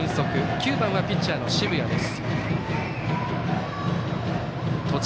９番はピッチャーの澁谷です。